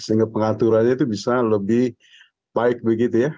sehingga pengaturannya itu bisa lebih baik begitu ya